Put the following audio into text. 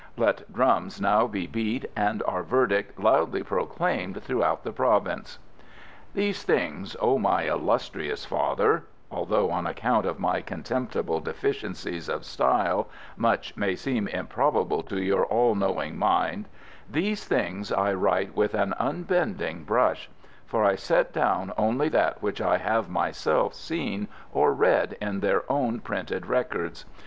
Let drums now be beat, and our verdict loudly proclaimed throughout the province." These things, O my illustrious father (although on account of my contemptible deficiencies of style much may seem improbable to your all knowing mind), these things I write with an unbending brush; for I set down only that which I have myself seen, or read in their own printed records.